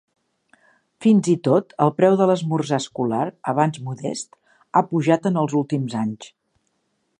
Fins i tot el preu de l'esmorzar escolar, abans modest, ha pujat en els últims anys.